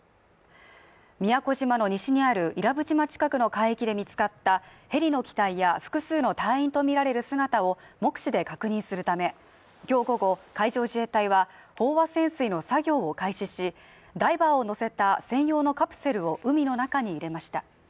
宮古島の西にある伊良部島近くの海域で見つかったヘリの機体や複数の隊員とみられる姿を目視で確認するため、今日午後海上自衛隊は飽和潜水の作業を開始しダイバーを乗せた専用のカプセルを海の中に入れました。